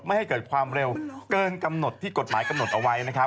ให้เกิดความเร็วเกินกำหนดที่กฎหมายกำหนดเอาไว้นะครับ